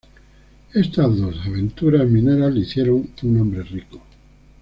Estas dos aventuras mineras le hicieron un hombre rico.